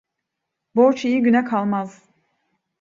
Borç iyi güne kalmaz.